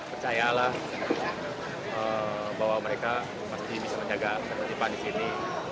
percayalah bahwa mereka pasti bisa menjaga ketertiban di sini